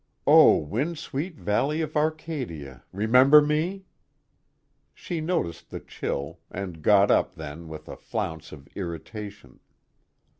O wind sweet valley of Arcadia remember me? She noticed the chill, and got up then with a flounce of irritation.